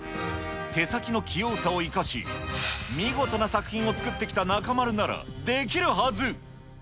手先の器用さを生かし、見事な作品を作ってきた中丸ならできるはず。